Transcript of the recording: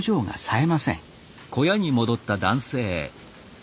え。